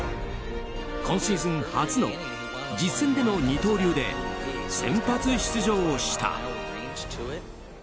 今シーズン初の実戦での二刀流で先発出場した。